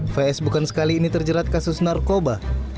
vs bukan sekali ini terjerat kasus narkoba